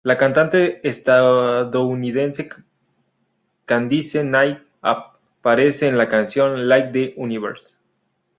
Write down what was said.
La cantante estadounidense Candice Night aparece en la canción "Light the Universe".